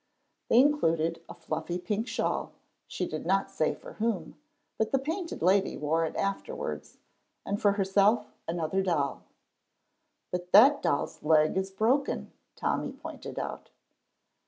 They included a fluffy pink shawl, she did not say for whom, but the Painted Lady wore it afterwards, and for herself another doll. "But that doll's leg is broken," Tommy pointed out.